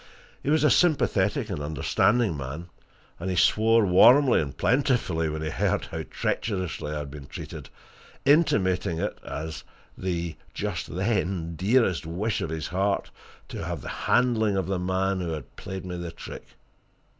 He was a sympathetic and an understanding man, and he swore warmly and plentifully when he heard how treacherously I had been treated, intimating it as the just then dearest wish of his heart to have the handling of the man who had played me the trick.